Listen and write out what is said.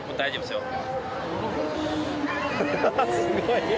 すごい！